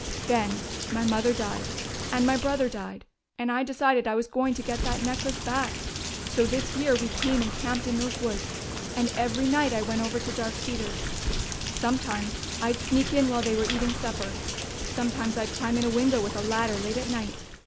"Then my mother died, and my brother died, and I decided I was going to get that necklace back. So this year we came and camped in those woods, and every night I went over to Dark Cedars. Sometimes I'd sneak in while they were eating supper; sometimes I'd climb in a window with a ladder late at night.